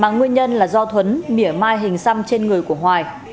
nguyên nhân là do thuấn mỉa mai hình xăm trên người của hoài